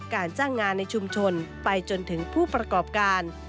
การจ้างงานในชุมชนไปจนถึงผู้ประกอบการ